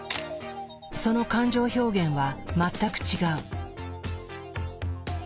その感情表現は全く違う。